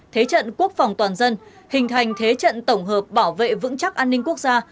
thế trận quốc phòng toàn dân hình thành thế trận tổng hợp bảo vệ vững chắc an ninh quốc gia